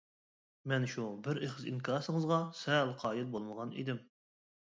مەن شۇ بىر ئېغىز ئىنكاسىڭىزغا سەل قايىل بولمىغان ئىدىم.